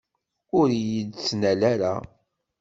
Ur iyi-d-ttnal ara!